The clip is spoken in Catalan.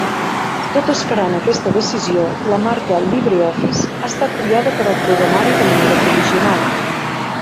Tot esperant aquesta decisió, la marca “LibreOffice” ha estat triada per al programari de manera provisional.